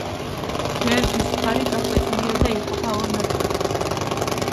გერბის ფარი გაკვეთილია და იყოფა ორ ნაწილად.